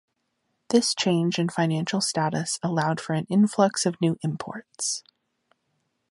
This change in financial status allowed for an influx of new imports.